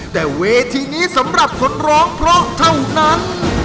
แต่เวทีนี้สำหรับคนร้องเพราะเท่านั้น